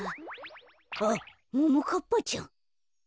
あっももかっぱちゃん。